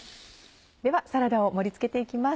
ではサラダを盛り付けて行きます。